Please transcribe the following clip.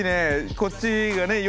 こっちがねよ